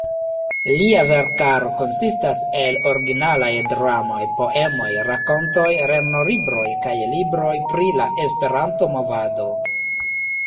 Lia verkaro konsistas el originalaj dramoj, poemoj, rakontoj, lernolibroj kaj libroj pri la Esperanto-movado.